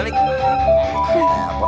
kagak ada bang